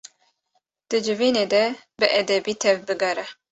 Di civînê de bi edebî tevbigere.